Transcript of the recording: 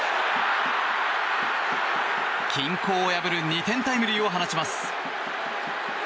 均衡を破る２点タイムリーを放ちます。